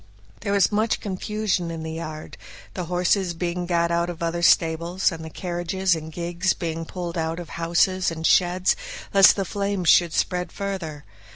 There was much confusion in the yard; the horses being got out of other stables, and the carriages and gigs being pulled out of houses and sheds, lest the flames should spread further.